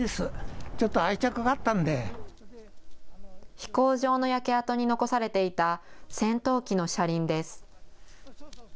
飛行場の焼け跡に残されていた戦闘機の車輪です。